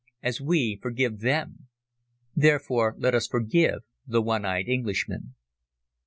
As we forgive them! Therefore let us forgive the `One Eyed Englishman.'"